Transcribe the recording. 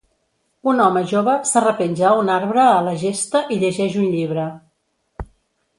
Un home jove s'arrepenja a un arbre a la gesta i llegeix un llibre